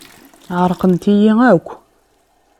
Ɛerqent-iyi akk.